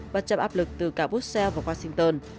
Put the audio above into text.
bất chấp áp lực từ cả brussels và washington